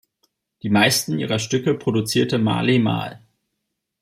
Die meisten ihrer Stücke produzierte Marley Marl.